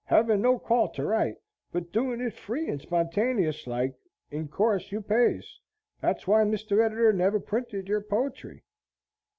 Hevin no call to write, but doin' it free and spontaneous like, in course you pays. Thet's why Mr. Editor never printed your poetry.'"